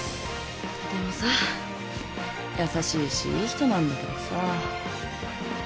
でもさ優しいしいい人なんだけどさ。